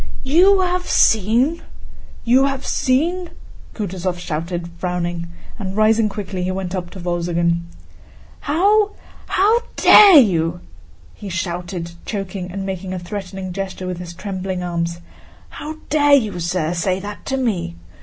"You have seen? You have seen?..." Kutúzov shouted. Frowning and rising quickly, he went up to Wolzogen. "How... how dare you!..." he shouted, choking and making a threatening gesture with his trembling arms: "How dare you, sir, say that to me?